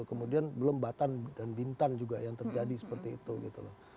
kemudian belombatan dan bintan juga yang terjadi seperti itu gitu loh